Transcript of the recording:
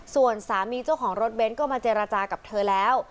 ส่วนสามีเจ้าของรถเบนท์ก็มาเจรจากับเธอแล้ว